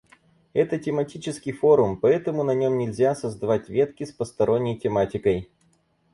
Это тематический форум, поэтому на нём нельзя создавать ветки с посторонней тематикой.